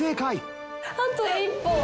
あと１歩。